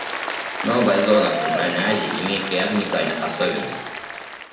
Новая зона в Центральной Азии имеет ряд уникальных особенностей.